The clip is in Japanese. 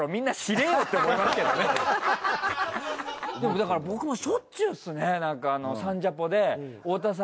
だから僕もしょっちゅうっすね。